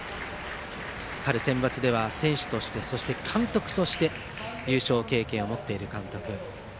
春センバツでは選手として監督として優勝経験を持っている監督。